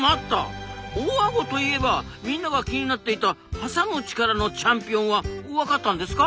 大アゴといえばみんなが気になっていたはさむ力のチャンピオンはわかったんですか？